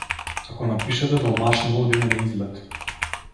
Ако напишете домашно одиме на излет.